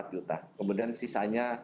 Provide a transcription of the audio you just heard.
empat juta kemudian sisanya